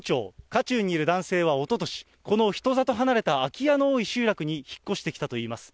渦中にいる男性はおととし、この人里離れた空き家の多い集落に引っ越してきたといいます。